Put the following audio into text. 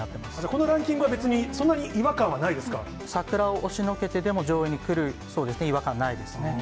このランキングは別に、桜を押しのけてでも、上位に来る、そうですね、違和感ないですね。